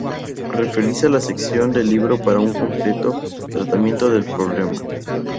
Referirse a sección del libro para un completo tratamiento del problema.